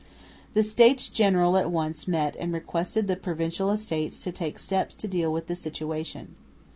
The States General at once met and requested the Provincial Estates to take steps to deal with the situation.